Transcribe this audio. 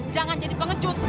jangan jadi pengecut